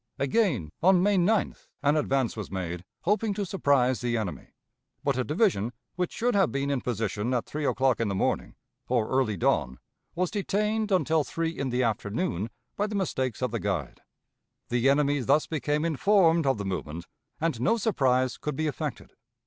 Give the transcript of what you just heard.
Again, on May 9th, an advance was made, hoping to surprise the enemy. But a division, which should have been in position at three o'clock in the morning, or early dawn, was detained until three in the afternoon by the mistakes of the guide. The enemy thus became informed of the movement, and no surprise could be effected.